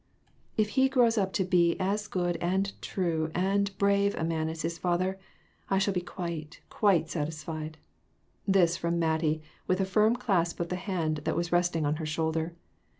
"If he grows up to be as good and true and brave a man as his father, I shall be quite, quite satisfied." This from Mattie, with a firm clasp of the hand that was resting on her shoulder.